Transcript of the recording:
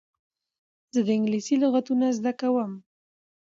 زه د انګلېسي لغتونه زده کوم.